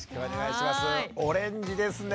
オレンジですね。